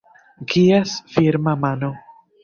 Kies firma mano?